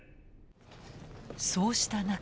そうした中。